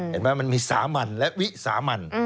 เห็นไหมมันมีสามัญและวิสามัญ